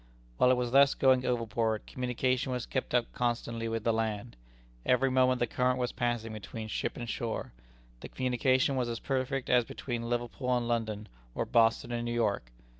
While it was thus going overboard, communication was kept up constantly with the land. Every moment the current was passing between ship and shore. The communication was as perfect as between Liverpool and London, or Boston and New York.